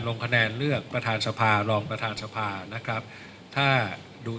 ลงคะแนนเลือกประธานสภารองประธานสภานะครับถ้าดู